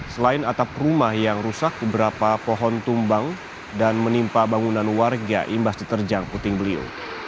selain atap rumah yang rusak beberapa pohon tumbang dan menimpa bangunan warga imbas diterjang puting beliung